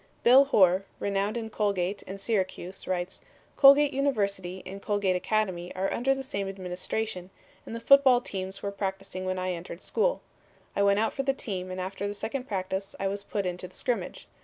Bill Horr, renowned in Colgate and Syracuse, writes: "Colgate University and Colgate Academy are under the same administration, and the football teams were practicing when I entered school. I went out for the team and after the second practice I was put into the scrimmage.